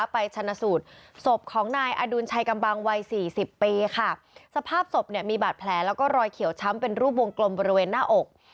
ไปชนะสูตรศพของนายอดุลชัยกำบังวัยสี่สิบปีค่ะสภาพศพเนี่ยมีบาดแผลแล้วก็รอยเขียวช้ำเป็นรูปวงกลมบริเวณหน้าอก